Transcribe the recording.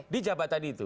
di jabatan itu